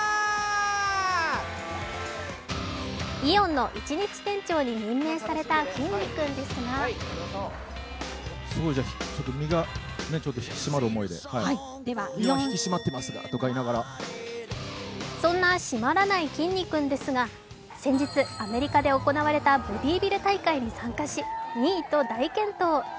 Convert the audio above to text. イオンの一日店長に任命された、きんに君ですがそんな締まらないきんに君ですが先日アメリカで行われたボディービル大会に参加し２位と大健闘。